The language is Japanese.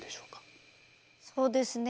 そうですね